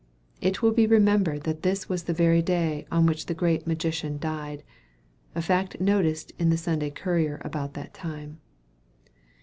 It will be remembered that this was the very day on which the Great Magician died a fact noticed in the Saturday Courier about that time.